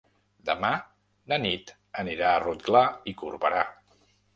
Demà na Nit anirà a Rotglà i Corberà.